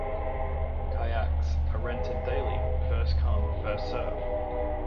Kayaks are rented daily, first come, first served.